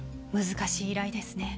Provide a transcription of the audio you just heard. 難しい依頼ですね。